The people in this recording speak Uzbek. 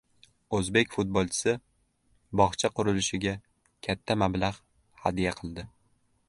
O‘zbek futbolchisi bog‘cha qurilishiga katta mablag‘ hadya qildi